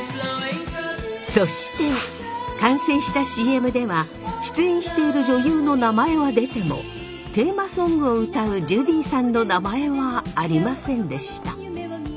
そして完成したＣＭでは出演している女優の名前は出てもテーマソングを歌うジュディさんの名前はありませんでした。